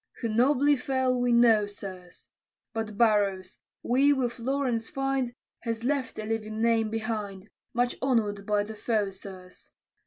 Who nobly fell, we know, sirs; But Burrows, we with Lawrence find, Has left a living name behind, Much honor'd by the foe, sirs.